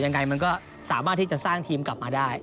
ยังไงมันก็สามารถที่จะสร้างทีมกลับมาได้